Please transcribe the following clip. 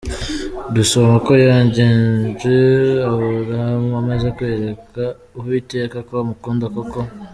Dusoma uko yagenje Aburahamu amaze kwereka Uwiteka ko amukunda koko.